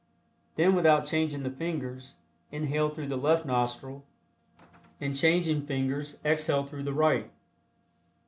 Then, without changing the fingers, inhale through the left nostril, and changing fingers, exhale through the right.